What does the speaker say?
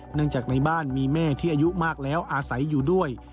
เนื่องจากในบ้านมีแม่ที่อายุมากแล้วอาศัยอยู่ด้วย